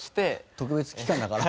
特別期間だから。